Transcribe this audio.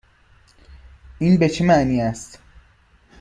این به چه معنی است؟